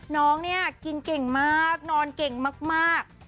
น้องเนี่ยกินเก่งมากนอนเก่งมาก